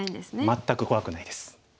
全く怖くないです。